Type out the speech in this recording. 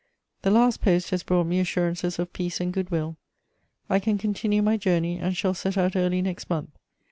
The last post has brought me assurances of peace and good will. I can continue my journey, and shall set out early next month.